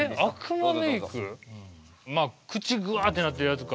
まあ口グワーってなってるやつか。